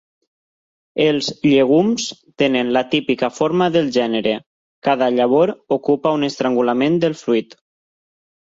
Els llegums tenen la típica forma del gènere: cada llavor ocupa un estrangulament del fruit.